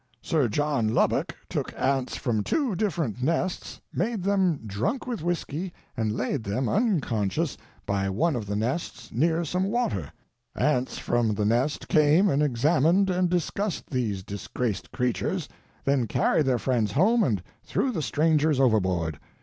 Sir John Lubbock took ants from two different nests, made them drunk with whiskey and laid them, unconscious, by one of the nests, near some water. Ants from the nest came and examined and discussed these disgraced creatures, then carried their friends home and threw the strangers overboard.